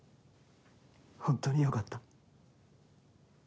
本当によかった。